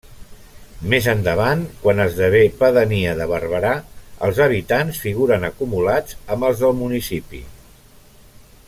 Més endavant, quan esdevé pedania de Barberà, els habitants figuren acumulats amb els del municipi.